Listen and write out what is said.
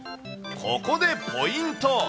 ここでポイント。